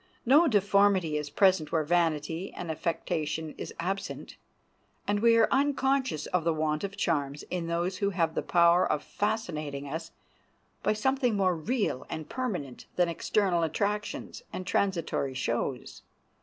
No deformity is present where vanity and affectation is absent, and we are unconscious of the want of charms in those who have the power of fascinating us by something more real and permanent than external attractions and transitory shows.